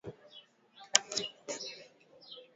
mkulima anapoviacha viazi kwa mda mrefu shamabani wadudu